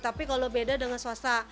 tapi kalau beda dengan swasta